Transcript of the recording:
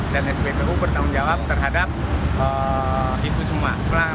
dan spbu bertanggung jawab terhadap itu semua